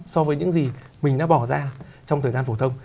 so với những gì mình đã bỏ ra trong thời gian phổ thông